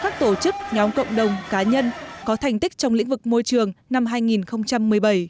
các tổ chức nhóm cộng đồng cá nhân có thành tích trong lĩnh vực môi trường năm hai nghìn một mươi bảy